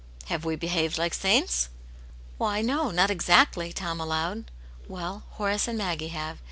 " Have we behaved like saints }"" Why no, not exactly !" Tom allowed. "Well, Horace and Maggie have.